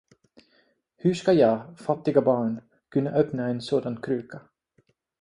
Hur ska jag, fattiga barn, kunna öppna en sådan kruka?